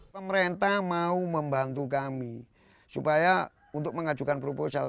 pemerintah mau membantu kami supaya untuk mengajukan proposal